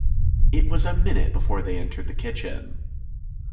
It was a minute before they entered the kitchen.